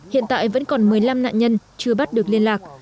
hiện tại vẫn còn một mươi năm nạn nhân chưa bắt được liên lạc